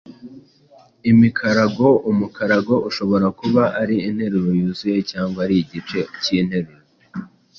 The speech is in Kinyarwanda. imikarago”. Umukarago ushobora kuba ari interuro yuzuye cyangwa ari igice k’interuro.